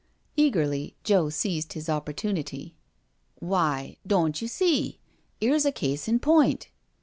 Eagerly Joe seized his opportunity. " Why, doan't you see, 'ere's a case in point?